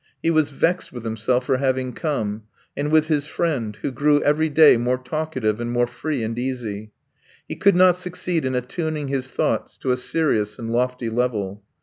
He was vexed with himself for having come, and with his friend, who grew every day more talkative and more free and easy; he could not succeed in attuning his thoughts to a serious and lofty level.